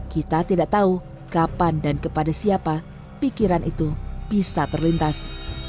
kita tidak tahu kapan dan kepada siapa pikiran itu bisa terlintas